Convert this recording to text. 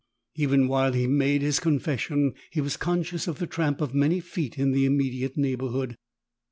Even while he made his confession he was conscious of the tramp of many feet in the immediate neigborhood.